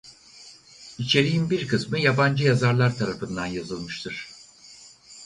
İçeriğin bir kısmı yabancı yazarlar tarafından yazılmıştır.